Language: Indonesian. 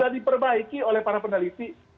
sudah diperbaiki oleh para peneliti